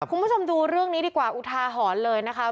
คุณผู้ชมดูเรื่องนี้ดีกว่าอุทาหรณ์เลยนะคะ